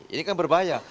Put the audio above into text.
ini kan berbahaya